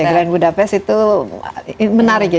grand budapest itu menarik ya